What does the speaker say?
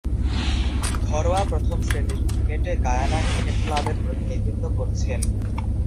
ঘরোয়া প্রথম-শ্রেণীর ক্রিকেটে গায়ানা ক্রিকেট ক্লাবের প্রতিনিধিত্ব করছেন।